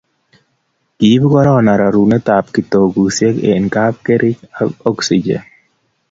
kiibu korona rorunotetab kitokusiek eng' kapkerich ak oksijen